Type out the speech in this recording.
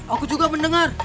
aku juga mendengar